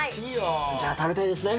じゃあ食べたいですね。